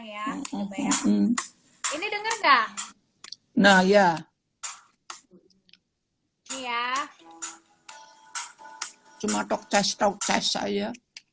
ini denger nggak nah ya iya cuma tokses tokses saya